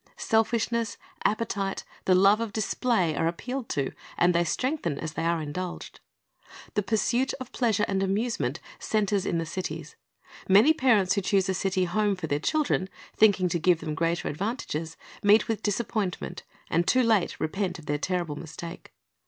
Selfishness, appetite, the love of display, are appealed to, and they strengthen as they are indulged. The pursuit of pleasure and amusement centers in the cities. Many parents who choose a city home for their children, thinking to give them greater advantages, meet with disappointment, and too late repent their terrible mistake.